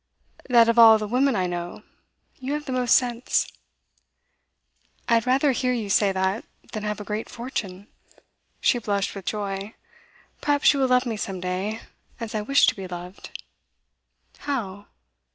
'That of all the women I know, you have the most sense.' 'I had rather hear you say that than have a great fortune.' She blushed with joy. 'Perhaps you will love me some day, as I wish to be loved.' 'How?